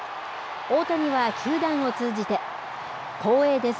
大谷は球団を通じて、光栄です。